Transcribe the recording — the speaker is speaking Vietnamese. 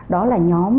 đó là nhóm